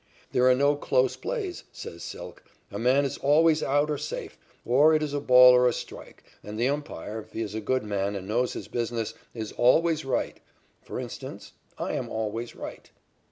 "There are no close plays," says "Silk." "A man is always out or safe, or it is a ball or a strike, and the umpire, if he is a good man and knows his business, is always right. For instance, I am always right."